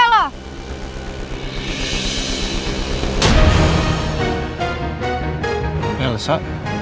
kenapa yang lesa